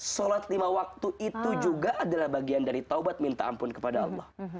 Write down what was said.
sholat lima waktu itu juga adalah bagian dari taubat minta ampun kepada allah